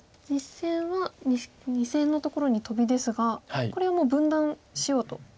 実戦は２線のところにトビですがこれはもう分断しようと。